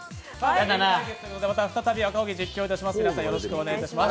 再び赤荻、実況いたします。